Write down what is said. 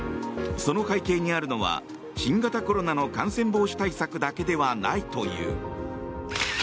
その背景にあるのは新型コロナの感染防止対策だけではないという。